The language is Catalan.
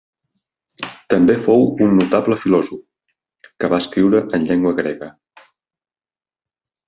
També fou un notable filòsof, que va escriure en llengua grega.